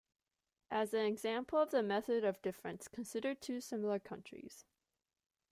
As an example of the method of difference, consider two similar countries.